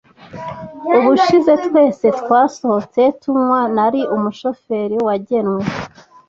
Ubushize twese twasohotse tunywa, nari umushoferi wagenwe.